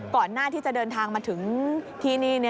ก่อนหน้าที่จะเดินทางมาถึงที่นี่